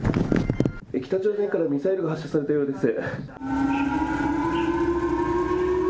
北朝鮮からミサイルが発射されたようです。